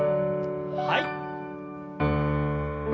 はい。